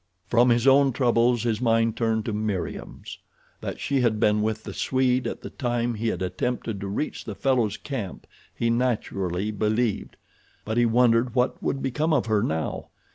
From his own troubles his mind turned to Meriem's. That she had been with the Swede at the time he had attempted to reach the fellow's camp he naturally believed; but he wondered what would become of her now.